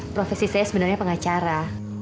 profesi saya sebenarnya pengacara